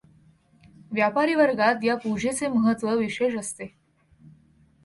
व्यापारी वर्गात या पूजेचे महत्व विशेष असते.